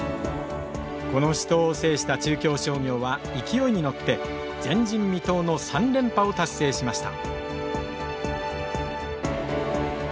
この死闘を制した中京商業は勢いに乗って前人未到の３連覇を達成しました。